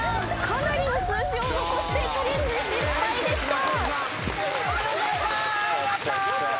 かなりの数字を残してチャレンジ失敗でした。